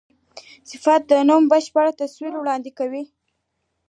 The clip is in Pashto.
صفت د نوم بشپړ تصویر وړاندي کوي.